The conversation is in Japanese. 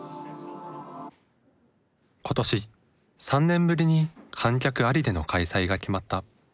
今年３年ぶりに観客ありでの開催が決まった。